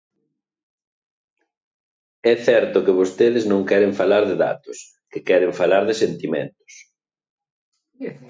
É certo que vostedes non queren falar de datos, que queren falar de sentimentos.